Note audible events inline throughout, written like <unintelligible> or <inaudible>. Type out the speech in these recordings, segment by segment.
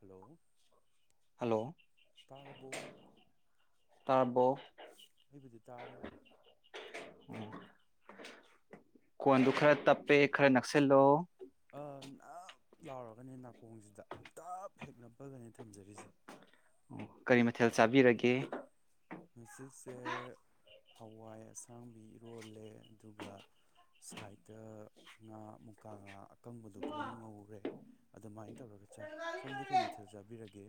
Hello hello ꯇꯥꯔꯕꯣ ꯇꯥꯔꯕꯣ ꯑꯩꯕꯨꯗꯤ ꯇꯥꯔꯦ ꯀꯣꯟꯗꯨ ꯈꯔ ꯇꯞꯄꯦ ꯈꯔ ꯅꯛꯁꯤꯜꯂꯣ ꯅꯞ ꯂꯥꯎꯔꯒꯅꯦ ꯅꯥꯀꯣꯡꯁꯤꯗ ꯇꯞ ꯍꯦꯛꯄꯒꯅꯤ ꯊꯝꯖꯔꯤꯁꯦ ꯑꯣ ꯀꯔꯤ ꯃꯊꯦꯜ ꯆꯥꯕꯤꯔꯒꯦ ꯉꯁꯤꯁꯦ ꯍꯋꯥꯏ ꯑꯁꯥꯡꯕꯤ ꯏꯔꯣꯜꯂꯦ ꯑꯗꯨꯒ ꯁꯥꯏꯠꯇ ꯉꯥ ꯃꯨꯀꯥ ꯉꯥ ꯑꯀꯪꯕꯗꯣ ꯈꯔ ꯉꯧꯔꯦ ꯑꯗꯨꯃꯥꯏꯅ ꯇꯧꯔꯒ ꯆꯥꯏ ꯁꯣꯝꯗꯤ ꯀꯩ ꯃꯊꯦꯜ ꯆꯥꯕꯤꯔꯒꯦ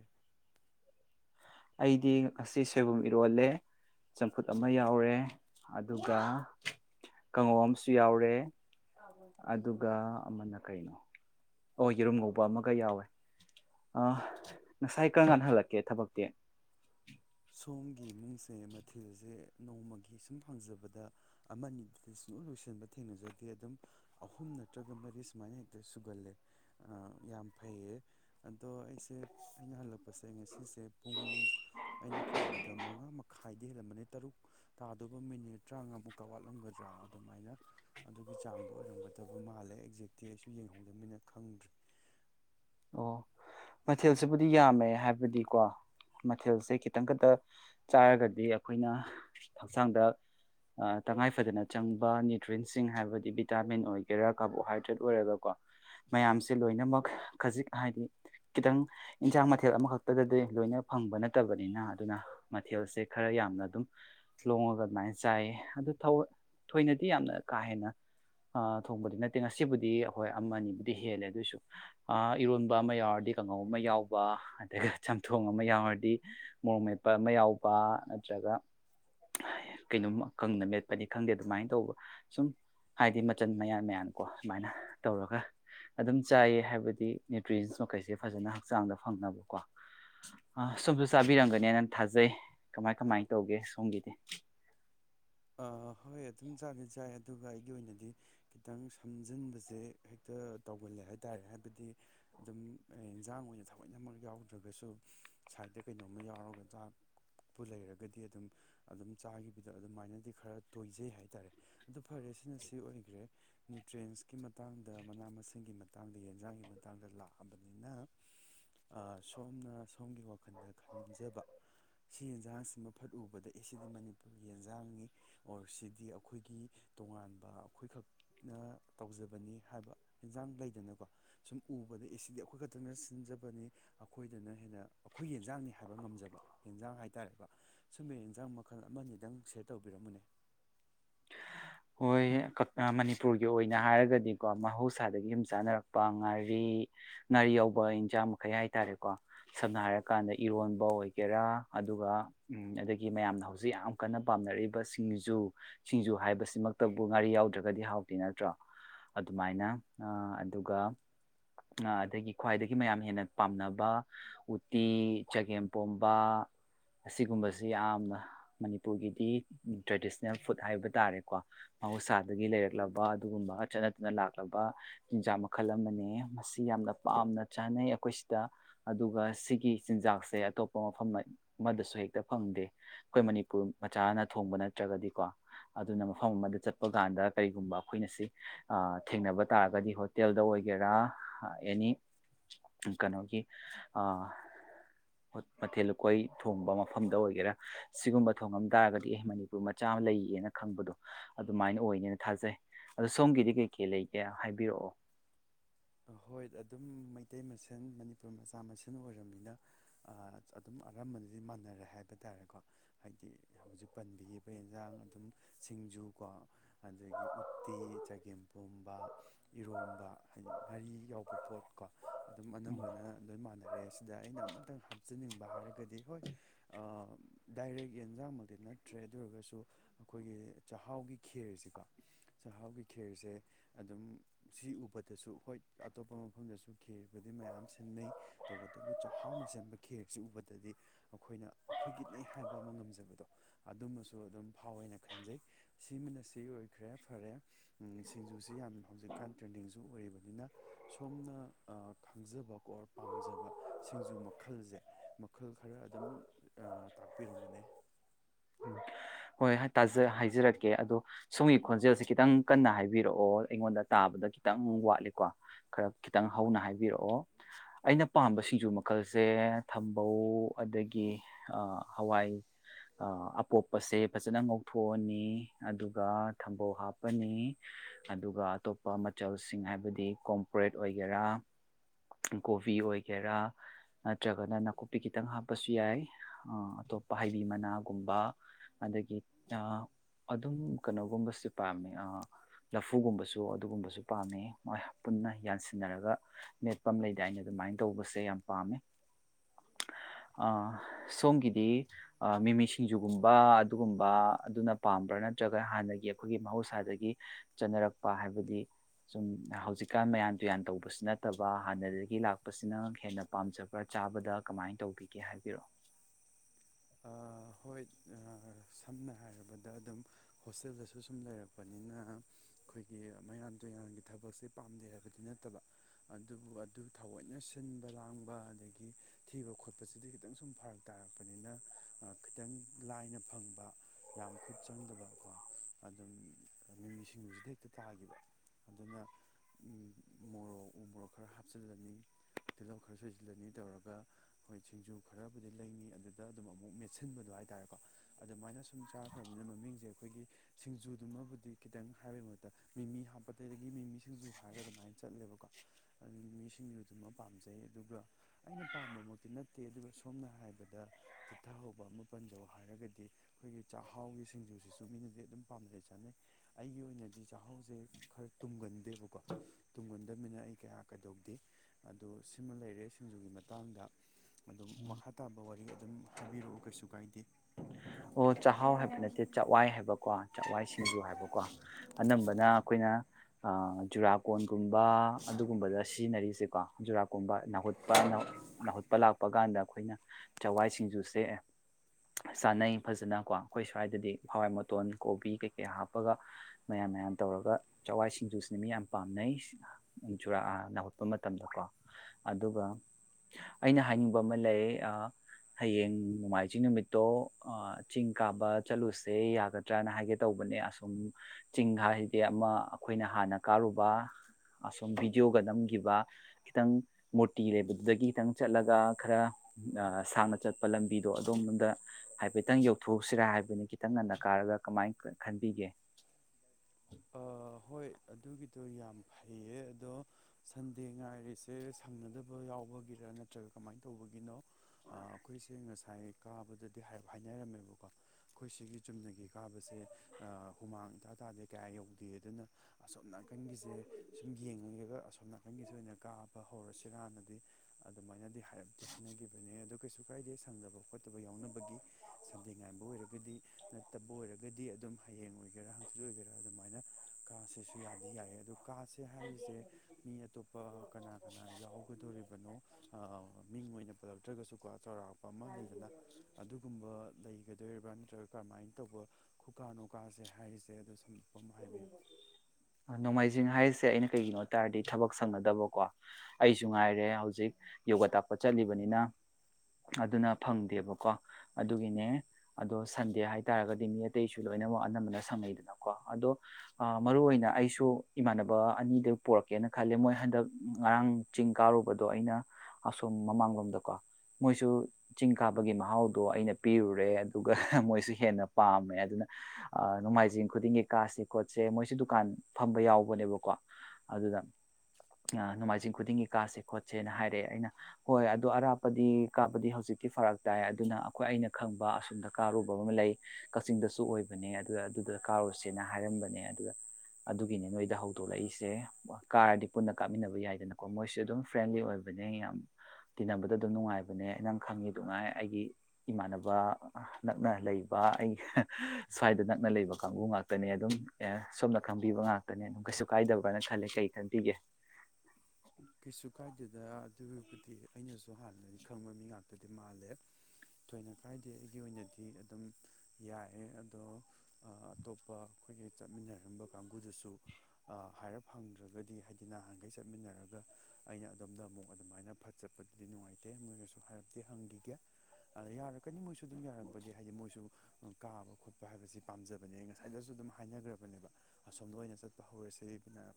ꯑꯩꯗꯤ ꯉꯁꯤ ꯁꯣꯏꯕꯨꯝ ꯏꯔꯣꯜꯂꯦ ꯆꯝꯐꯨꯠ ꯑꯃ ꯌꯥꯎꯔꯦ ꯑꯗꯨꯒ ꯀꯥꯡꯉꯧ ꯑꯃꯁꯨ ꯌꯥꯎꯔꯦ ꯑꯗꯨꯒ ꯑꯃꯅ ꯀꯩꯅꯣ ꯑꯣ ꯌꯦꯔꯨꯝ ꯉꯧꯕ ꯑꯃꯒ ꯌꯥꯎꯋꯦ ꯉꯁꯥꯏ ꯀꯔꯝ ꯀꯥꯟ ꯍꯜꯂꯛꯀꯦ ꯊꯕꯛꯇꯤ ꯁꯣꯝꯒꯤ ꯏꯃꯨꯡꯁꯦ ꯃꯊꯜꯁꯦ ꯅꯣꯡꯃꯒꯤ ꯁꯨꯝ ꯐꯪꯖꯕꯗ ꯑꯃꯅꯤꯗꯤ ꯁꯨꯡꯂꫭꯏ ꯂꯣꯏꯁꯟꯕ ꯊꯦꯡꯅꯖꯗꯦ ꯑꯗꯨꯝ ꯑꯍꯨꯝ ꯅꯠꯇ꯭ꯔꯒ ꯃꯔꯤ ꯁꯨꯃꯥꯏꯅ ꯍꯦꯛꯇ ꯁꯨꯒꯜꯂꯦ ꯌꯥꯝ ꯐꯩꯌꯦ ꯑꯗꯣ ꯑꯩꯁꯦ ꯑꯩꯅ ꯍꯜꯂꯛꯄꯁꯦ ꯉꯁꯤꯁꯦ ꯄꯨꯡ ꯑꯩꯅ ꯈꯟꯕꯗ ꯃꯉꯥ ꯃꯈꯥꯏꯗꯤ ꯍꯦꯜꯂꯝꯕꯅꯤ ꯇꯔꯨꯛ ꯇꯥꯗꯧꯕ ꯃꯤꯅꯤꯠ ꯇꯔꯥꯃꯉꯥꯃꯨꯛꯀ ꯋꯥꯠꯂꯝꯒꯗ꯭ꯔꯥ ꯑꯗꯨꯃꯥꯏꯅ ꯑꯗꯨꯒꯤ ꯆꯥꯡꯗꯣ ꯑꯣꯏꯔꯝꯒꯗꯕ ꯃꯥꯜꯂꯦ ꯑꯦꯛꯖꯦꯛꯇꯤ ꯑꯩꯁꯨ ꯌꯦꯡꯍꯧꯗꯕꯅꯤꯅ ꯈꯪꯗ꯭ꯔꯔꯤ ꯑꯣ ꯃꯊꯦꯜꯁꯤꯕꯨꯗꯤ ꯌꯥꯝꯃꯦ ꯍꯥꯏꯕꯗꯤꯀꯣ ꯃꯊꯦꯜꯁꯦ ꯈꯤꯇꯪ ꯈꯛꯇ ꯆꯥꯔꯒꯗꯤ ꯑꯩꯈꯣꯏꯅ ꯍꯛꯆꯥꯡꯗ ꯇꯉꯥꯏꯐꯗꯅ ꯆꯪꯕ ꯅ꯭ꯌꯨꯇ꯭ꯔꯤꯟꯁꯤꯡ ꯍꯥꯏꯕꯗꯤ ꯚꯤꯇꯥꯃꯤꯟ ꯑꯣꯏꯒꯦꯔꯥ ꯀꯥꯔꯕꯣꯍꯥꯏꯗ꯭ꯔꯦꯠ ꯑꯣꯏꯔꯒꯀꯣ ꯃꯌꯥꯝꯁꯦ ꯂꯣꯏꯅꯃꯛ ꯈꯖꯤꯛ ꯍꯥꯏꯗꯤ ꯈꯤꯇꯪ ꯏꯟꯁꯥꯡ ꯃꯊꯦꯜ ꯑꯃꯈꯛꯇꯗꯗꯤ ꯂꯣꯏꯅ ꯐꯪꯕ ꯅꯠꯇꯕꯅꯤꯅ ꯑꯗꯨꯅ ꯃꯊꯦꯜꯁꯦ ꯈꯔ ꯌꯥꯝꯅ ꯑꯗꯨꯝ ꯂꯣꯡꯉꯒ ꯑꯗꯨꯃꯥꯏꯅ ꯆꯥꯏꯌꯦ ꯑꯗꯨ ꯊꯣꯏꯅꯗꯤ ꯌꯥꯝꯅ ꯀꯥ ꯍꯦꯟꯅ ꯊꯣꯡꯕꯗꯤ ꯅꯠꯇꯦ ꯉꯁꯤꯕꯨꯗꯤ ꯑꯩꯈꯣꯏ ꯑꯃ ꯑꯅꯤꯕꯨꯗꯤ ꯍꯦꯜꯂꯦ ꯑꯗꯨꯑꯣꯏꯁꯨ ꯏꯔꯣꯟꯕ ꯑꯃ ꯌꯥꯎꯔꯗꯤ ꯀꯥꯡꯉꯧ ꯑꯃ ꯌꯥꯎꯕ ꯑꯗꯨꯒꯗꯒꯤ ꯆꯝꯊꯣꯡ ꯑꯃ ꯌꯥꯎꯔꯗꯤ ꯃꯣꯔꯣꯛ ꯃꯦꯠꯄ ꯑꯃ ꯌꯥꯎꯕ ꯅꯠꯇ꯭ꯔꯒ ꯀꯩꯅꯣꯝꯃ ꯀꯪꯅ ꯃꯦꯠꯄꯅꯤ ꯈꯪꯗꯦ ꯑꯗꯨꯃꯥꯏꯅ ꯇꯧꯕ ꯁꯨꯝ ꯍꯥꯏꯗꯤ ꯃꯆꯟ ꯃꯌꯥꯝ ꯃꯌꯥꯝꯀꯣ ꯑꯗꯨꯃꯥꯏꯅ ꯇꯧꯔꯒ ꯑꯗꯨꯝ ꯆꯥꯏꯌꯦ ꯍꯥꯏꯕꯗꯤ ꯅ꯭ꯌꯨꯇ꯭ꯔꯤꯌꯦꯟꯁ ꯃꯈꯩꯁꯦ ꯐꯖꯅ ꯍꯛꯆꯥꯡꯗ ꯐꯪꯅꯕꯀꯣ ꯁꯣꯝꯁꯨ ꯆꯥꯕꯤꯔꯝꯒꯅꯦꯅꯪ ꯊꯥꯖꯩ ꯀꯃꯥꯏ ꯀꯃꯥꯏꯅ ꯇꯧꯒꯦ ꯁꯣꯝꯒꯤꯗꯤ ꯍꯣꯏ ꯑꯗꯨꯝ ꯆꯥꯗꯤ ꯆꯥꯏ ꯑꯗꯨꯒ ꯑꯩꯒꯤ ꯑꯣꯏꯅꯗꯤ ꯈꯤꯇꯪ ꯁꯝꯖꯤꯟꯕꯁꯦ ꯍꯦꯛꯇ ꯇꯧꯒꯜꯂꯦ ꯍꯥꯏ ꯇꯥꯔꯦ ꯍꯥꯏꯕꯗꯤ ꯑꯗꯨꯝ ꯏꯟꯖꯥꯡ ꯑꯣꯏꯅ ꯊꯑꯣꯏꯅꯃꯛ ꯌꯥꯎꯗ꯭ꯔꯒꯁꯨ ꯁꯥꯏꯠꯇ ꯀꯩꯅꯣꯝꯃ ꯌꯥꯎꯔꯒ ꯆꯥꯛꯄꯨ ꯂꯩꯔꯒꯗꯤ ꯑꯗꯨꯝ ꯑꯗꯨꯝ ꯆꯥꯈꯤꯕꯗꯣ ꯑꯗꯨꯃꯥꯏꯅ ꯗꯤ ꯈꯔ ꯇꯣꯏꯖꯩ ꯍꯥꯏꯇꯥꯔꯦ ꯑꯗꯨꯣ ꯐꯔꯦ ꯁꯤꯅ ꯁꯤ ꯑꯣꯏꯈ꯭ꯔꯦ ꯅ꯭ꯌꯨꯇ꯭ꯔꯦꯟꯁꯀꯤ ꯃꯇꯥꯡꯗ ꯃꯅꯥ ꯃꯁꯤꯡꯒꯤ ꯃꯇꯥꯡꯗ ꯌꯦꯟꯁꯥꯡꯒꯤ ꯃꯇꯥꯡꯗ ꯂꯥꯛꯑꯕꯅꯤꯅ ꯁꯣꯝꯅ ꯁꯣꯝꯒꯤ ꯋꯥꯈꯜꯗ ꯈꯟꯖꯕ ꯁꯤ ꯌꯦꯟꯁꯥꯡꯁꯤꯃ ꯐꯠ ꯎꯕꯗ ꯑꯦ ꯁꯤꯗꯤ ꯃꯅꯤꯄꯨꯔꯒꯤ ꯌꯦꯟꯁꯥꯡꯅꯤ ꯑꯣꯔ ꯁꯤꯗꯤ ꯑꯩꯈꯣꯏꯒꯤ ꯇꯣꯉꯥꯟꯕ ꯑꯩꯈꯣꯏꯈꯛꯅ ꯇꯧꯖꯕꯅꯤ ꯍꯥꯏꯕ ꯑꯦꯟꯖꯥꯡ ꯂꯩꯗꯅꯀꯣ ꯁꯨꯝ ꯎꯕꯗ ꯑꯦ ꯁꯤꯗꯤ ꯑꯩꯈꯣꯏ ꯈꯛꯇꯅ ꯁꯤꯟꯖꯕꯅꯤ ꯑꯩꯈꯣꯏꯗꯅ ꯍꯦꯟꯅ ꯑꯩꯈꯣꯏ ꯌꯦꯟꯖꯥꯡꯅꯤ ꯍꯥꯏꯕ ꯉꯝꯖꯕ ꯌꯦꯟꯖꯥꯡ ꯍꯥꯏꯇꯥꯔꯦꯀꯣ ꯁꯨꯝꯕ ꯌꯦꯟꯖꯥꯡ ꯃꯈꯜ ꯑꯃꯅꯤꯗꯪ ꯁꯦꯌꯔ ꯇꯧ ꯔꯝꯕꯅꯤ ꯍꯣꯏ ꯃꯅꯤꯄꯨꯔꯒꯤ ꯑꯣꯏꯅ ꯍꯥꯏꯔꯒꯗꯤꯀꯣ ꯃꯍꯧꯁꯥꯗꯒꯤ ꯌꯨꯝ ꯆꯥꯅꯔꯛꯄ ꯉꯥꯔꯤ ꯉꯥꯔꯤ ꯌꯥꯕ ꯏꯟꯖꯥꯡ ꯃꯈꯩ ꯍꯥꯏꯇꯥꯔꯦꯀꯣ ꯁꯝꯅ ꯍꯥꯏꯔꯀꯥꯟꯗ ꯏꯔꯣꯟꯕ ꯑꯣꯏꯒꯦꯔꯥ ꯑꯗꯨꯒ ꯑꯗꯒꯤ ꯃꯌꯥꯝꯅ ꯍꯧꯖꯤꯛ ꯌꯥꯝ ꯀꯟꯅ ꯄꯥꯝꯅꯔꯤꯕ ꯁꯤꯡꯖꯨ ꯁꯤꯡꯖꯨ ꯍꯥꯏꯕꯕꯁꯤ ꯁꯤꯃꯛꯇꯕꯨ ꯉꯥꯔꯤ ꯌꯥꯎꯗ꯭ꯔꯒꯗꯤ ꯍꯥꯎꯇꯦ ꯅꯠꯇ꯭ꯔꯣ ꯑꯗꯨꯃꯥꯏꯅ ꯑꯗꯨꯒ ꯑꯗꯒꯤ ꯈ꯭ꯋꯥꯏꯗꯒꯤ ꯃꯌꯥꯝ ꯍꯦꯟꯅ ꯄꯥꯝꯅꯕ ꯎꯇꯤ ꯆꯒꯦꯝꯄꯣꯝꯕ ꯑꯁꯤꯒꯨꯝꯕꯁꯤ ꯌꯥꯝꯅ ꯃꯅꯤꯄꯨꯔꯒꯤꯗꯤ ꯇ꯭ꯔꯦꯗꯤꯁꯅꯦꯜ ꯐꯨꯗ ꯍꯥꯏꯕ ꯇꯥꯔꯦꯀꯣ ꯃꯍꯧꯁꯥꯗꯒꯤ ꯂꯩꯔꯛꯂꯕ ꯑꯗꯨꯒꯨꯝꯕ ꯆꯠꯅꯗꯨꯅ ꯂꯥꯛꯂꯕ ꯆꯤꯟꯖꯥꯛ ꯃꯈꯜ ꯑꯃꯅꯦ ꯃꯁꯤ ꯌꯥꯝꯅ ꯄꯥꯝꯅ ꯆꯥꯅꯩ ꯑꯩꯈꯣꯏ ꯁꯤꯗ ꯑꯗꯨꯒ ꯁꯤꯒꯤ ꯆꯤꯟꯖꯥꯛꯁꯦ ꯑꯇꯣꯞꯄ ꯃꯐꯝ ꯑꯃꯗꯁꯨ ꯍꯦꯛꯇ ꯐꯪꯗꯦ ꯑꯩꯈꯣꯏ ꯃꯅꯤꯄꯨꯔ ꯃꯆꯥꯅ ꯊꯣꯡꯕ ꯅꯠꯇ꯭ꯔꯒꯗꯤꯀꯣ ꯑꯗꯨꯅ ꯃꯐꯝ ꯑꯃꯗ ꯆꯠꯄ ꯀꯥꯟꯗ ꯀꯔꯤꯒꯨꯝꯕ ꯑꯩꯈꯣꯏꯅ ꯁꯤ ꯊꯦꯡꯅꯕ ꯇꯥꯔꯒꯗꯤ ꯍꯣꯇꯦꯜꯗ ꯑꯣꯏꯒꯦꯔꯥ ꯑꯦꯅꯤ ꯀꯩꯅꯣꯒꯤ ꯃꯊꯦꯜ ꯂꯨꯀꯣꯏ ꯊꯣꯡꯕ ꯃꯐꯝꯗ ꯑꯣꯏꯒꯦꯔꯥ ꯁꯤꯒꯨꯝꯕ ꯊꯣꯡꯉꯝ ꯇꯥꯔꯒꯗꯤ ꯑꯦ ꯃꯅꯤꯄꯨꯔ ꯃꯆꯥ ꯑꯃ ꯂꯩꯌꯦꯅ ꯈꯪꯕꯗꯣ ꯑꯗꯨꯃꯥꯏꯅ ꯑꯣꯏꯅꯅꯦꯅ ꯊꯥꯖꯩ ꯑꯗꯣ ꯁꯣꯝꯒꯤꯗꯤ ꯀꯩ ꯀꯩ ꯂꯩꯒꯦ ꯍꯥꯏꯕꯤꯔꯛꯑꯣ ꯍꯣꯏ ꯑꯗꯨꯝ ꯃꯩꯇꯩ ꯃꯁꯦꯟ ꯃꯅꯤꯄꯨꯔ ꯃꯆꯥ ꯃꯁꯦꯟ ꯑꯣꯏꯔꯕꯝꯅꯤꯅ ꯑꯗꯨꯝ ꯑꯔꯝꯕꯅꯗꯤ ꯃꯥꯟꯅꯔꯦ ꯍꯥꯏꯕ ꯇꯥꯔꯦꯀꯣ ꯍꯥꯏꯗꯤ ꯍꯧꯖꯤꯛ ꯄꯟꯕꯤꯈꯤꯕ ꯌꯦꯟꯖꯥꯡ ꯑꯗꯨꯝ ꯁꯤꯡꯖꯨꯀꯣ ꯑꯗꯒꯤ ꯎꯠꯇꯤ ꯆꯒꯦꯝꯄꯣꯝꯕ ꯏꯔꯣꯝꯕ ꯍꯥꯏꯗꯤ ꯉꯥꯔꯤ ꯌꯥꯎꯕ ꯄꯣꯠ ꯀꯣ ꯑꯗꯨꯝ ꯑꯅꯝꯕꯅ ꯂꯣꯏ ꯃꯥꯟꯅꯔꯦ ꯁꯤꯗ ꯑꯩꯅ ꯑꯃꯇꯪ ꯍꯥꯞꯆꯤꯟꯅꯤꯡꯕ ꯍꯥꯏꯔꯒ ꯒꯗꯤ ꯍꯣꯏ ꯗꯥꯏꯔꯦꯛ ꯌꯦꯟꯁꯥꯡꯃꯛꯇꯤ ꯅꯠꯇ꯭ꯔꯦ ꯑꯗꯨ ꯑꯣꯏꯔꯒꯁꯨ ꯑꯩꯈꯣꯏꯒꯤ ꯆꯥꯛꯍꯥꯎꯒꯤ ꯈꯦꯔꯁꯤꯀꯣ ꯆꯥꯛꯍꯥꯎꯒꯤ ꯈꯦꯔꯁꯦ ꯑꯗꯨꯝ ꯁꯤ ꯎꯕꯗꯁꯨ ꯍꯣꯏ ꯑꯇꯣꯞꯄ ꯃꯐꯝꯗꯁꯨ ꯈꯦꯔꯕꯨꯗꯤ ꯃꯌꯥꯝ ꯁꯤꯖꯤꯟꯅꯩ ꯇꯧꯕꯇꯕꯨ ꯆꯍꯥꯎꯅ ꯁꯦꯝꯟꯕ ꯈꯦꯔꯁꯤ ꯎꯕꯗꯗꯤ ꯑꯩꯈꯣꯏꯅ ꯑꯩꯈꯣꯏꯒꯤꯅꯦ ꯍꯥꯏꯕ ꯑꯃ ꯉꯝꯖꯕꯗꯣ ꯑꯗꯨꯃꯁꯨ ꯑꯗꯨꯝ ꯐꯥꯎꯋꯦꯅ ꯈꯟꯖꯩ ꯁꯤꯃꯅ ꯁꯤ ꯑꯣꯏꯈ꯭ꯔꯦ ꯐꯔꯦ ꯁꯤꯡꯖꯨꯁꯤ ꯌꯥꯝ ꯍꯧꯖꯤꯛꯀꯥꯟ ꯇ꯭ꯔꯦꯟꯗꯤꯡꯁꯨ ꯑꯗꯨꯅ ꯁꯣꯝꯅ ꯈꯪꯖꯕꯀꯔ ꯄꯥꯝꯖꯕ ꯁꯤꯡꯖꯨ ꯃꯈꯜꯁꯦ ꯃꯈꯜ ꯈꯔ ꯑꯗꯨꯝ ꯇꯥꯛꯄꯤꯔꯝꯕꯅꯦ ꯍꯣꯏ ꯍꯥꯏꯖꯔꯛꯀꯦ ꯑꯗꯣ ꯁꯣꯝꯒꯤ ꯈꯣꯟꯖꯦꯜꯁꯦ ꯈꯤꯇꯪ ꯀꯟꯅ ꯍꯥꯏꯕꯤꯔꯛꯑꯣ ꯑꯩꯉꯣꯟꯗ ꯇꯥꯕꯗ ꯈꯤꯇꯪ ꯋꯥꯠꯂꯤꯀꯣ ꯈꯔ ꯈꯤꯇꯪ ꯍꯧꯅ ꯍꯥꯏꯕꯤꯔꯛꯑꯣ ꯑꯩꯅ ꯄꯥꯝꯕ ꯁꯤꯡꯖꯨ ꯃꯈꯜꯁꯦ ꯊꯝꯕꯧ ꯑꯗꯒꯤ ꯍꯋꯥꯏ ꯑꯄꯣꯞꯄꯁꯦ ꯐꯖꯅ ꯉꯧꯊꯣꯛꯑꯅꯤ ꯑꯗꯨꯒ ꯊꯝꯕꯧ ꯍꯥꯞꯄꯅꯤ ꯑꯗꯨꯒ ꯑꯇꯣꯞꯄ ꯃꯆꯜꯁꯤꯡ ꯍꯥꯏꯕꯗꯤ ꯀꯣꯝꯄ꯭ꯔꯦꯠ ꯑꯣꯏꯒꯦꯔꯥ ꯀꯣꯕꯤ ꯑꯣꯏꯒꯦꯔꯥ ꯅꯠꯇ꯭ꯔꯒꯅ ꯅꯥꯀꯨꯞꯄꯤ ꯈꯤꯇꯪ ꯍꯥꯞꯄꯁꯨ ꯌꯥꯏ ꯑꯇꯣꯞꯄ ꯍꯩꯕꯤ ꯃꯅꯥꯒꯨꯝꯕ ꯑꯗꯒꯤ ꯑꯗꯨꯝ ꯀꯩꯅꯣꯒꯨꯝꯕꯁꯨ ꯄꯥꯝꯃꯦ ꯂꯐꯨꯒꯨꯝꯕꯁꯨ ꯑꯗꯨꯒꯨꯝꯕꯁꯨ ꯄꯥꯝꯃꯦ ꯃ ꯄꯨꯟꯅ ꯌꯥꯟꯁꯤꯟꯅꯔꯒ ꯃꯦꯠꯄ ꯑꯃ ꯂꯩꯗꯥ ꯍꯥꯏꯅ ꯑꯗꯨꯃꯥꯏꯅ ꯇꯧꯕꯁꯦ ꯌꯥꯝ ꯄꯥꯝꯃꯦ ꯁꯣꯝꯒꯤꯗꯤ ꯃꯤꯃꯤ ꯁꯤꯡꯖꯨꯒꯨꯝꯕ ꯑꯗꯨꯒꯨꯝꯕ ꯑꯗꯨꯅ ꯄꯥꯝꯕ꯭ꯔꯥ ꯅꯠꯇ꯭ꯔꯒ ꯍꯥꯟꯅꯒꯤ ꯑꯩꯈꯣꯏꯒꯤ ꯃꯍꯧꯁꯥꯗꯒꯤ ꯆꯠꯅꯔꯛꯄ ꯍꯥꯏꯕꯗꯤ ꯁꯨꯝ ꯍꯧꯖꯤꯛꯀꯥꯟ ꯃꯌꯥꯟ ꯇꯨꯌꯥꯟ ꯇꯧꯕꯁꯤ ꯅꯠꯇꯕ ꯍꯥꯟꯅꯗꯒꯤ ꯂꯥꯛꯄꯁꯤꯅ ꯍꯦꯟꯅ ꯄꯥꯝꯖꯕ꯭ꯔꯥ ꯆꯥꯕꯗ ꯀꯃꯥꯏꯅ ꯇꯧꯕꯤꯒꯦ ꯍꯥꯏꯕꯤꯔꯛꯑꯣ ꯍꯣꯏ ꯁꯝꯅ ꯍꯥꯏꯔꯕꯗ ꯑꯗꯨꯝ ꯍꯣꯁꯇꯦꯜꯗꯁꯨ ꯁꯨꯝ ꯂꯩꯔꯛꯄꯅꯤꯅ ꯑꯩꯈꯣꯏꯒꯤ ꯃꯌꯥꯝ ꯇꯣꯌꯥꯒꯤ ꯊꯕꯛꯁꯦ ꯄꯥꯝꯗꯦ ꯍꯥꯏꯔꯕꯗꯤ ꯅꯠꯇꯕ ꯑꯗꯨꯕꯨ ꯑꯗꯨ ꯊꯑꯣꯏꯅ ꯁꯤꯟꯕ ꯂꯥꯡꯕ ꯑꯗꯒꯤ ꯊꯤꯕ ꯈꯣꯠꯄꯁꯤꯗꯤ ꯈꯤꯇꯪ ꯁꯨꯝ ꯐꯔꯛ ꯇꯥꯔꯛꯄꯅꯤꯅ ꯈꯤꯇꯪ ꯂꯥꯏꯅ ꯐꯪꯕ ꯌꯥꯝ ꯈꯨꯠ ꯆꯪꯗꯕ ꯀꯣ ꯑꯗꯨꯝ ꯃꯤꯃꯤ ꯁꯤꯡꯖꯨꯁꯤꯗ ꯍꯦꯛꯇ ꯇꯥꯈꯤꯕ ꯑꯗꯨꯅ ꯃꯣꯔꯣꯛ ꯎ ꯃꯣꯔꯣꯛ ꯈꯔ ꯍꯥꯞꯆꯤꯜꯂꯅꯤ ꯇꯤꯜꯍꯧ ꯈꯔ ꯁꯣꯏꯁꯤꯜꯂꯅꯤ ꯇꯧꯔꯒ ꯑꯩꯈꯣꯏ ꯁꯤꯡꯖꯨ ꯈꯔꯕꯨꯗꯤ ꯂꯩꯅꯤ ꯗ ꯑꯗꯨꯝ ꯑꯃꯨꯛ ꯃꯦꯠꯁꯤꯟꯕꯗꯣ ꯍꯥꯏꯇꯥꯔꯦꯀꯣ ꯑꯗꯨꯃꯥꯏꯅ ꯁꯨꯝ ꯆꯥꯈ꯭ꯔꯕꯅꯤꯅ ꯃꯃꯤꯡꯁꯦ ꯑꯩꯈꯣꯏꯒꯤ ꯁꯤꯡꯖꯨꯗꯨꯃꯕꯨꯗꯤ ꯈꯤꯇꯪ ꯍꯥꯏꯕꯩ ꯃꯤꯃꯤ ꯍꯥꯞꯄꯗꯒꯤ ꯃꯤꯃꯤ ꯁꯤꯁꯨꯨ ꯍꯥꯏꯔꯒ ꯑꯗꯨꯃꯥꯏꯅ ꯆꯠꯂꯦꯕꯀꯣ ꯑꯗꯨ ꯃꯤꯃꯤꯁꯤꯡꯁꯨ ꯑꯗꯨꯃ ꯄꯥꯝꯖꯩ ꯑꯗꯨꯒ ꯑꯩꯅ ꯄꯥꯝꯕꯃꯛꯇꯤ ꯅꯠꯇꯦ ꯑꯗꯨꯒ ꯁꯣꯝꯅ ꯍꯥꯏꯔꯕꯗ ꯆꯤꯊꯍꯧꯕ ꯑꯃ ꯄꯟꯖꯧ ꯍꯥꯏꯔꯒꯗꯤ ꯑꯩꯈꯣꯏꯒꯤ ꯆꯥꯛꯍꯥꯎꯒꯤ ꯁꯤꯡꯖꯨꯁꯤꯁꯨ ꯃꯤꯅꯗꯤ ꯑꯗꯨꯝ ꯄꯥꯝꯖꯩ ꯆꯥꯅꯩ ꯑꯩꯒꯤ ꯑꯣꯏꯅꯗꯤ ꯆꯥꯛꯍꯥꯎꯁꯦ ꯈꯔ ꯇꯨꯝꯒꯟꯗꯦꯕꯀꯣ ꯇꯨꯝꯒꯟꯗꯕꯅꯤꯅ ꯑꯩ ꯀꯌꯥ ꯀꯩꯗꯧꯗꯦ ꯑꯗꯣ ꯁꯤꯃ ꯂꯩꯔꯦ ꯁꯤꯡꯖꯨꯒꯤ ꯃꯇꯥꯡꯗ ꯑꯗꯨꯝ ꯎꯝ. ꯃꯈꯥ ꯇꯥꯕ ꯋꯥꯔꯤ ꯑꯗꯨꯝ ꯍꯥꯏꯕꯤꯔꯛꯎ ꯀꯩꯁꯨ ꯀꯥꯏꯗꯦ ꯑꯣ ꯆꯥꯛꯍꯥꯎ ꯍꯥꯏꯕ ꯅꯠꯇꯦ ꯆꯥꯛꯋꯥꯏ ꯍꯥꯏꯕꯀꯣ ꯆꯋꯥꯏ ꯁꯤꯡꯖꯨ ꯍꯥꯏꯕꯀꯣ ꯑꯅꯝꯕꯅ ꯑꯩꯈꯣꯏꯅ ꯆꯨꯔꯥꯀꯣꯟꯒꯨꯝꯕ ꯑꯗꯨꯒꯨꯝꯕꯗ ꯁꯤꯖꯤꯟꯅꯔꯤꯁꯦꯀꯣ ꯆꯨꯔꯥꯀꯣꯟꯕ ꯅꯥꯍꯨꯠꯄ ꯅꯥꯍꯨꯠꯄ ꯂꯥꯛꯄ ꯀꯥꯟꯗ ꯑꯩꯈꯣꯏꯅ ꯆꯋꯥꯏ ꯁꯤꯡꯖꯨꯁꯦ ꯆꯥꯅꯩ ꯐꯖꯅꯀꯣ ꯑꯩꯈꯣꯏ ꯁ꯭ꯋꯥꯏꯗꯗꯤ ꯍꯋꯥꯏ ꯃꯇꯣꯟ ꯀꯣꯕꯤ ꯀꯩꯀꯩ ꯍꯥꯞꯄꯒ ꯃꯌꯥꯝ ꯃꯌꯥꯝ ꯇꯧꯔꯒ ꯆꯋꯥꯏ ꯁꯤꯡꯖꯨꯁꯤꯅ ꯃꯤ ꯌꯥꯝ ꯄꯥꯝꯅꯩ ꯆꯨꯔꯥ ꯅꯥꯍꯨꯠꯄ ꯃꯇꯝꯗꯀꯣ ꯑꯗꯨꯒ ꯑꯩꯅ ꯍꯥꯏꯅꯤꯡꯕ ꯑꯃ ꯂꯩ ꯍꯌꯦꯡ ꯅꯣꯡꯃꯥꯏꯖꯤꯡ ꯅꯨꯃꯤꯠꯇꯣ ꯆꯤꯡ ꯀꯥꯕ ꯆꯠꯂꯨꯁꯦ ꯌꯥꯒꯗ꯭ꯔꯅ ꯍꯥꯏꯒꯦ ꯇꯧꯕꯅꯦ ꯑꯁꯨꯝ ꯆꯤꯡ ꯍꯥꯏꯗꯤ ꯑꯃ ꯑꯩꯈꯣꯏꯅ ꯍꯥꯟꯅ ꯀꯥꯔꯨꯕ ꯑꯁꯨꯝ ꯚꯤꯗꯤꯑꯣꯒ ꯅꯝꯈꯤꯕ ꯈꯤꯇꯪ ꯃꯨꯔꯇꯤ ꯂꯩꯕꯗꯨꯗꯒꯤ ꯈꯤꯇꯪ ꯆꯠꯂꯒ ꯈꯔ ꯁꯥꯡꯅ ꯆꯠꯄ ꯂꯝꯕꯤꯗꯣ ꯑꯗꯣꯝꯗ ꯍꯥꯏꯐꯦꯠꯇꯪ ꯌꯧꯊꯣꯛꯎꯁꯤꯔꯥ ꯍꯥꯏꯕꯅꯤ ꯈꯤꯇꯪ ꯉꯟꯅ ꯀꯥꯔꯒ ꯀꯃꯥꯏꯅ ꯈꯟꯕꯤꯒꯦ ꯍꯣꯏ ꯑꯗꯨꯒꯤꯗꯣ ꯌꯥꯝ ꯐꯩꯌꯦ ꯑꯗꯣ ꯁꯟꯗꯦ ꯉꯥꯏꯔꯤꯁꯦ ꯁꯪꯅꯗꯕ ꯌꯥꯎꯕꯒꯤꯔ ꯅꯠꯇ꯭ꯔꯒ ꯀꯃꯥꯏꯅ ꯇꯧꯕꯒꯤꯅꯣ ꯑꯩꯈꯣꯏꯁꯦ ꯉꯁꯥꯏ ꯀꯥꯕꯗꯗꯤ ꯍꯥꯏꯅꯔꯝꯃꯦꯕꯀꯣ ꯑꯩꯈꯣꯏ ꯁꯤꯒꯤ ꯆꯨꯝꯅꯒꯤ ꯀꯥꯕꯁꯦ ꯍꯨꯃꯥꯡ ꯏꯇꯥ ꯇꯥꯗꯦ ꯀꯌꯥ ꯌꯧꯗꯦ ꯑꯗꯨꯅ ꯑꯁꯣꯝ ꯅꯥꯀꯟꯒꯤꯁꯦ ꯁꯨꯝ ꯌꯦꯡꯉꯒ ꯑꯁꯣꯝ ꯅꯥꯀꯟꯒꯤꯁꯦ ꯑꯣꯏꯅ ꯀꯥꯕ ꯍꯧꯔꯁꯤꯔꯥꯅꯗꯤ ꯑꯗꯨꯃꯥꯏꯅꯗꯤ ꯍꯥꯏꯔꯞꯗꯤ ꯍꯥꯏꯅꯈꯤꯕꯅꯦ ꯑꯗꯣ <unintelligible> ꯀꯩꯁꯨ ꯀꯥꯏꯗꯦ ꯁꯪꯗꯕ ꯈꯣꯠ ꯌꯥꯎꯅꯕꯒꯤ ꯁꯟꯗꯦ ꯉꯥꯏꯕ ꯑꯣꯏꯔꯒꯗꯤ ꯅꯠꯇꯕ ꯑꯣꯏꯔꯒꯗꯤ ꯑꯗꯨꯝ ꯍꯌꯦꯡ ꯑꯣꯏꯒꯦꯔꯥ ꯍꯥꯡꯆꯤꯠ ꯑꯣꯏꯒꯦꯔꯥ ꯑꯗꯨꯃꯥꯏꯅ ꯀꯥꯁꯤꯁꯨ ꯌꯥꯗꯤ ꯌꯥꯏ ꯑꯗꯨ ꯀꯥꯁꯦ ꯍꯥꯏꯔꯤꯁꯦ ꯃꯤ ꯑꯇꯣꯞꯄ ꯀꯅꯥ ꯀꯅꯥ ꯌꯥꯎꯒꯗꯣꯔꯤꯕꯅꯣ ꯃꯤꯡ ꯑꯣꯏꯅ ꯄꯜꯂꯛꯇ꯭ꯔꯒꯁꯨ ꯀꯣ ꯆꯥꯎꯔꯥꯛꯄ ꯑꯃ ꯂꯩꯗꯅ ꯑꯗꯨꯒꯨꯝꯕ ꯂꯩꯒꯗꯣꯏ ꯕ꯭ꯔꯥ ꯅꯠꯇ꯭ꯔꯒ ꯀꯔꯃꯥꯏꯅ ꯇꯧꯕ ꯈꯨꯀꯥꯅꯣ ꯀꯥꯁꯦ ꯍꯥꯏꯔꯤꯁꯦ ꯑꯗꯣ ꯁꯨꯝ ꯅꯣꯡꯃꯥꯏ ꯖꯤꯡ ꯍꯥꯏꯔꯤꯁꯦ ꯑꯩꯅ ꯀꯩꯒꯤꯅꯣ ꯍꯥꯏ ꯇꯥꯔꯗꯤ ꯊꯕꯛ ꯁꯪꯅꯗꯕꯀꯣ ꯑꯩꯁꯨ ꯉꯥꯏꯔꯦ ꯍꯧꯖꯤꯛ ꯌꯣꯒꯥ ꯇꯥꯛꯄ ꯆꯠꯂꯤꯕꯅꯤꯅ ꯑꯗꯨꯅ ꯐꯪꯗꯦꯕꯀꯣ ꯑꯗꯨꯒꯤꯅꯦ ꯑꯗꯣ ꯁꯟꯗꯦ ꯍꯥꯏꯇꯥꯔꯒꯗꯤ ꯃꯤ ꯑꯇꯩꯁꯨ ꯂꯣꯏꯅꯃꯛ ꯑꯅꯝꯕꯅ ꯁꯪꯅꯩꯗꯅꯀꯣ ꯑꯗꯣ ꯃꯔꯨ ꯑꯣꯏꯅ ꯑꯩꯁꯨ ꯏꯃꯥꯟꯅꯕ ꯑꯅꯤꯗꯪ ꯄꯔꯛꯀꯦꯅ ꯈꯜꯂꯦ ꯃꯣꯏ ꯍꯟꯗꯛ ꯉꯔꯥꯡ ꯆꯤꯡ ꯀꯥꯔꯨꯕꯗꯣ ꯑꯩꯅ ꯑꯁꯣꯝ ꯃꯃꯥꯡꯂꯣꯝꯗꯀꯣ ꯃꯣꯏꯁꯨ ꯆꯤꯡ ꯀꯥꯕꯒꯤ ꯃꯍꯥꯎꯗꯣ ꯑꯩꯅ ꯄꯤꯔꯨꯔꯦ ꯑꯗꯨꯒ ꯃꯣꯏꯁꯨ ꯍꯦꯟꯅ ꯄꯥꯝꯃꯦ ꯑꯗꯨꯅ ꯅꯣꯡꯃꯥꯏꯖꯤꯡ ꯈꯨꯗꯤꯡꯒꯤ ꯀꯥꯁꯦ ꯈꯣꯠꯁꯦ ꯃꯣꯏꯁꯨ ꯗꯨꯀꯥꯟ ꯐꯝꯕ ꯌꯥꯎꯕꯅꯦꯕꯀꯣ ꯑꯗꯨꯗ ꯅꯣꯡꯃꯥꯏꯖꯤꯡ ꯈꯨꯗꯤꯡꯒꯤ ꯀꯥꯁꯦ ꯈꯣꯠꯁꯦꯅ ꯍꯥꯏꯔꯛꯑꯦ ꯑꯩꯅ ꯍꯣꯏ ꯑꯗꯣ ꯑꯔꯥꯞꯄꯗꯤ ꯀꯥꯕꯗꯤ ꯍꯧꯖꯤꯛꯇꯤ ꯐꯔꯛ ꯇꯥꯏ ꯑꯗꯨꯅ ꯑꯩꯈꯣꯏ ꯑꯩꯅ ꯈꯪꯕ ꯑꯁꯣꯝꯗ ꯀꯥꯔꯨꯕ ꯑꯃ ꯂꯩ ꯀꯛꯆꯤꯡꯗꯁꯨ ꯑꯣꯏꯕꯅꯦ ꯑꯗꯨ ꯑꯗꯨꯗ ꯀꯥꯔꯨꯁꯦ ꯁꯦꯅ ꯍꯥꯏꯔꯝꯕꯅꯦ ꯑꯗꯨꯗ ꯑꯗꯨꯒꯤꯅꯤ ꯅꯣꯏꯗ ꯍꯧꯗꯣꯛꯂꯛꯏꯁꯦ ꯀꯥꯔꯗꯤ ꯄꯨꯟꯅ ꯀꯥꯞꯃꯤꯟꯅꯕ ꯌꯥꯏꯗꯅꯀꯣ ꯃꯣꯏꯁꯨꯦ ꯑꯗꯨꯝ ꯐ꯭ꯔꯦꯟꯂꯤ ꯑꯣꯏꯕꯅꯦ ꯌꯥꯝ ꯇꯤꯟꯅꯕꯗ ꯑꯗꯨꯝ ꯅꯨꯡꯉꯥꯏꯕꯅꯦ ꯅꯪ ꯈꯪꯉꯤ ꯅꯨꯡꯉꯥꯏ ꯑꯩꯒꯤ ꯏꯃꯥꯟꯅꯕ ꯅꯛꯅ ꯂꯩꯕ ꯑꯩꯒꯤ ꯁ꯭ꯋꯥꯏꯗ ꯅꯛꯅ ꯂꯩꯕ ꯀꯥꯡꯕꯨ ꯉꯥꯛ ꯇꯅꯦ ꯑꯗꯨꯝ ꯁꯣꯝꯅ ꯈꯪꯕꯤꯕ ꯉꯥꯛꯇꯅꯦ ꯀꯩꯁꯨ ꯀꯥꯏꯗꯕ꯭ꯔꯅ ꯈꯜꯂꯦ ꯀꯩ ꯈꯟꯕꯤꯒꯦ ꯀꯩꯁꯨ ꯀꯥꯏꯗꯦꯗ ꯑꯗꯨꯕꯨꯗꯤ ꯑꯩꯅꯁꯨ ꯍꯥꯟꯅꯗꯤ ꯈꯪꯕ ꯃꯤ ꯉꯥꯛꯇꯗꯤ ꯃꯥꯜꯂꯦ ꯊꯣꯏꯅ ꯀꯥꯏꯗꯦ ꯑꯩꯒꯤ ꯑꯣꯏꯅꯗꯤ ꯑꯗꯨꯝ ꯌꯥꯏꯌꯦ ꯑꯗꯣ ꯑꯇꯣꯞꯄ ꯑꯩꯈꯣꯏꯒꯤ ꯆꯠꯃꯤꯟꯅꯔꯝꯕ ꯀꯥꯡꯕꯨꯗꯨꯁꯨ ꯍꯥꯏꯔꯞ ꯐꯪꯗ꯭ꯔꯒꯗꯤ ꯍꯥꯏꯗꯤ ꯅꯍꯥꯟꯈꯩ ꯆꯠꯃꯤꯟꯅꯔꯒ ꯑꯩꯅ ꯑꯗꯣꯝꯗ ꯑꯃꯨꯛ ꯑꯗꯨꯃꯥꯏꯅ ꯐꯠ ꯆꯠꯄꯗꯨꯗꯤ ꯅꯨꯡꯉꯥꯏꯇꯦ ꯃꯣꯏꯗꯁꯨ ꯍꯥꯏꯔꯞꯇꯤ ꯍꯪꯈꯤꯒꯦ ꯑꯗ ꯌꯥꯔꯛꯀꯅꯤ ꯃꯣꯏꯁꯨ ꯑꯗꯨꯝ ꯌꯥꯔꯛꯄꯗꯤ ꯍꯥꯏꯗꯤ ꯃꯣꯏꯁꯨ ꯀꯥꯕ ꯈꯣꯠꯄ ꯍꯥꯏꯕꯁꯤ ꯄꯥꯝꯖꯕꯅꯦ ꯉꯁꯥꯏꯗꯁꯨ ꯑꯗꯨꯝ ꯍꯥꯏꯅꯈ꯭ꯔꯕꯅꯦꯕ ꯑꯁꯣꯝꯗ ꯑꯣꯏꯅ ꯆꯠꯄ ꯍꯧꯔꯁꯦꯅ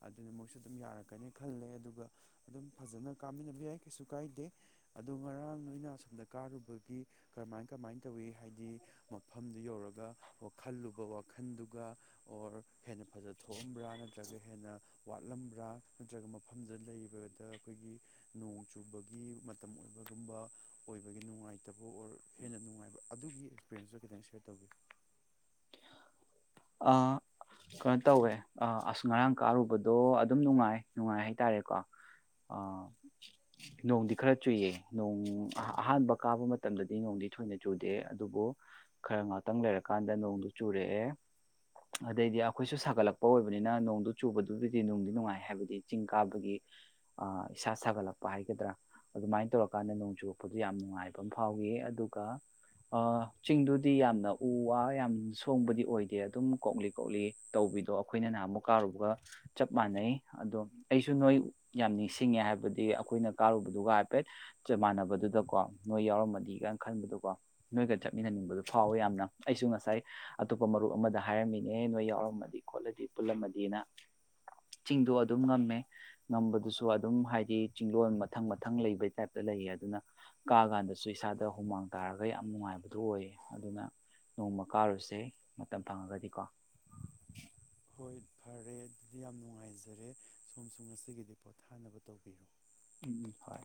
ꯑꯗꯨꯅ ꯃꯣꯏꯁꯨ ꯑꯗꯨꯝ ꯌꯥꯔꯛꯀꯅꯤ ꯈꯜꯂꯦ ꯑꯗꯨꯒ ꯑꯗꯨꯝ ꯐꯖꯅ ꯀꯥꯃꯤꯟꯅꯕ ꯌꯥꯏ ꯀꯩꯁꯨ ꯀꯥꯏꯗꯦ ꯑꯗꯣ ꯉꯔꯥꯡ ꯅꯣꯏꯅ ꯑꯁꯣꯝꯗ ꯀꯥꯔꯨꯕꯒꯤ ꯀꯔꯝꯃꯥꯏ ꯀꯃꯥꯏꯅ ꯇꯧꯋꯤ ꯍꯥꯏꯗꯤ ꯃꯐꯝꯗꯨ ꯌꯧꯔꯒ ꯋꯥ ꯈꯜꯂꯨꯕ ꯋꯥꯈꯜꯗꯨꯒ ꯑꯣꯔ ꯍꯦꯟꯅ ꯐꯖꯅ ꯊꯣꯛꯑꯝꯕ꯭ꯔꯥ ꯅꯠ ꯇꯒ ꯍꯦꯟꯅ ꯋꯥꯠꯂꯝꯕ꯭ꯔꯥ ꯅꯠꯇ꯭ꯔꯒ ꯃꯐꯝꯗꯨꯗ ꯂꯩꯕꯗ ꯑꯩꯈꯣꯏꯒꯤ ꯅꯣꯡ ꯆꯨꯕꯒꯤ ꯃꯇꯝ ꯑꯣꯏꯕꯒꯨꯝꯕ ꯑꯣꯏꯕꯒꯤ ꯅꯨꯡꯉꯥꯏꯇꯕ ꯑꯣꯔ ꯍꯦꯟꯅ ꯅꯨꯡꯉꯥꯏꯕ ꯑꯗꯨꯒꯤ ꯑꯦꯛꯁꯄꯤꯔꯦꯟꯁꯇꯣ ꯈꯤꯇꯪ ꯁꯦꯌꯔ ꯇꯧꯕꯤꯨ ꯀꯩꯅꯣ ꯇꯧꯋꯦ ꯑꯁ ꯉꯔꯥꯡ ꯀꯥꯔꯨꯕꯗꯣ ꯑꯗꯨꯝ ꯅꯨꯡꯉꯥꯏ ꯅꯨꯡꯉꯥꯏ ꯍꯥꯏ ꯇꯔꯦꯀꯣ ꯅꯣꯡꯗꯤ ꯈꯔ ꯆꯨꯏꯌꯦ ꯅꯣꯡ ꯑꯍꯥꯟꯕ ꯀꯥꯕ ꯃꯇꯝꯗꯗꯤ ꯅꯣꯡꯗꯤ ꯊꯣꯏꯅ ꯆꯨꯗꯦ ꯑꯗꯨꯕꯨ ꯈꯔ ꯉꯥꯛꯇꯪ ꯂꯩꯔꯀꯥꯟꯗ ꯅꯣꯡꯗꯨ ꯆꯨꯔꯛꯑꯦ ꯑꯗꯩꯗꯤ ꯑꯩꯈꯣꯏꯁꯨ ꯁꯥꯒꯠꯂꯛꯄ ꯑꯣꯏꯕꯅꯤꯅ ꯅꯣꯡꯗꯨ ꯆꯨꯕꯗꯨꯕꯨꯗꯤ ꯅꯅꯨꯡꯗꯤ ꯅꯨꯡꯉꯥꯏ ꯍꯥꯏꯕꯗꯤ ꯆꯤꯡ ꯀꯥꯕꯒꯤ ꯏꯁꯥ ꯁꯥꯒꯠꯂꯛꯄ ꯍꯥꯏꯒꯗ꯭ꯔꯥ ꯑꯗꯨꯃꯥꯏꯅ ꯇꯧꯔꯀꯥꯟꯗ ꯅꯣꯡ ꯆꯨꯔꯛꯄꯗꯨ ꯌꯥꯝ ꯅꯨꯡꯉꯥꯏꯕ ꯑꯃ ꯐꯥꯎꯏ ꯑꯗꯨꯒ ꯆꯤꯡꯗꯨꯗꯤ ꯌꯥꯝꯅ ꯎ ꯋꯥ ꯌꯥꯝ ꯁꯣꯡꯕꯗꯤ ꯑꯣꯏꯗꯦ ꯑꯗꯨꯝ ꯀꯣꯛꯂꯤ ꯀꯣꯛꯂꯤ ꯇꯧꯕꯤꯗꯣ ꯑꯩꯈꯣꯏꯅ ꯅꯍꯥꯟ ꯑꯃꯨꯛ ꯀꯥꯔꯨꯕꯒ ꯆꯞ ꯃꯥꯟꯅꯩ ꯑꯗꯣ ꯑꯩꯁꯨ ꯅꯣꯏ ꯌꯥꯝ ꯅꯤꯡꯁꯤꯡꯉꯦ ꯍꯥꯏꯕꯗꯤ ꯑꯩꯈꯣꯏꯅ ꯀꯥꯔꯨꯕꯗꯨꯒ ꯍꯥꯏꯐꯦꯠ ꯆꯞ ꯃꯥꯟꯅꯕꯗꯨꯗꯀꯣ ꯅꯣꯏ ꯌꯥꯎꯔꯝꯃꯗꯤꯒꯅ ꯈꯟꯕꯗꯀꯣ ꯅꯣꯏꯒ ꯆꯠꯃꯤꯟꯅꯅꯤꯡꯕꯗꯣ ꯐꯥꯎꯋꯦ ꯌꯥꯝꯅ ꯑꯩꯁꯨ ꯉꯁꯥꯏ ꯑꯇꯣꯞꯄ ꯃꯔꯨꯞ ꯑꯃꯗ ꯍꯥꯏꯔꯝꯃꯤꯅꯦ ꯅꯣꯏ ꯌꯥꯎꯔꯝꯃꯗꯤ ꯈꯣꯠꯂꯗꯤ ꯄꯨꯜꯂꯝꯃꯗꯤꯅ ꯆꯤꯡꯗꯣ ꯑꯗꯨꯝ ꯉꯝꯃꯦ ꯉꯝꯕꯗꯨꯁꯨ ꯑꯗꯨꯝ ꯍꯥꯏꯗꯤ ꯆꯤꯡꯗꯣꯜ ꯃꯊꯪ ꯃꯊꯪ ꯂꯩꯕꯩ ꯇꯥꯏꯞꯇ ꯂꯩꯌꯦ ꯑꯗꯨꯅ ꯀꯥꯀꯥꯟꯗꯁꯨ ꯏꯁꯥꯗ ꯍꯨꯃꯥꯡ ꯇꯥꯔꯒ ꯌꯥꯝ ꯅꯨꯡꯉꯥꯏꯕꯗꯨ ꯑꯣꯏꯌꯦ ꯑꯗꯨꯅ ꯅꯣꯡꯃ ꯀꯥꯔꯨꯁꯦ ꯃꯇꯝ ꯐꯪꯉꯒꯗꯤꯀꯣ ꯍꯣꯏ ꯐꯔꯦ ꯑꯗꯨꯗꯤ ꯌꯥꯝ ꯅꯨꯡꯉꯥꯏꯖꯔꯦ ꯁꯣꯝꯁꯨ ꯉꯁꯤꯒꯤꯗꯤ ꯄꯣꯊꯥꯅꯕ ꯇꯧꯕꯤꯔꯣ ꯎꯝ ꯍꯣꯏ